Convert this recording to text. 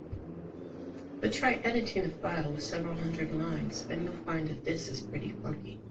But try editing a file with several hundred lines, and you'll find that this is pretty clunky.